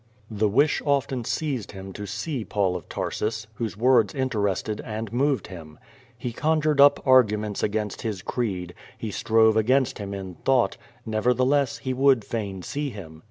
The wish often seized him to see Paul of Tarsus, whose words interested and moved him. He conjured up arguments against his creed, he strove against him in thought, neverthe less he would fain see him.